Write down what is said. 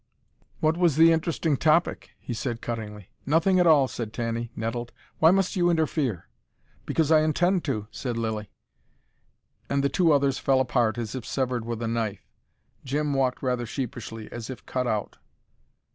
"What was the interesting topic?" he said cuttingly. "Nothing at all!" said Tanny, nettled. "Why must you interfere?" "Because I intend to," said Lilly. And the two others fell apart, as if severed with a knife. Jim walked rather sheepishly, as if cut out.